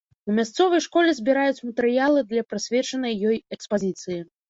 У мясцовай школе збіраюць матэрыялы для прысвечанай ёй экспазіцыі.